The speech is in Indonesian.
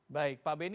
baik pak beni